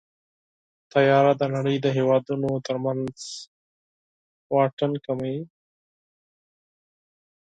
طیاره د نړۍ د هېوادونو ترمنځ فاصلې کموي.